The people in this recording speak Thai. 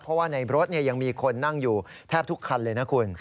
เพราะว่าในรถยังมีคนนั่งอยู่แทบทุกคันเลยนะคุณ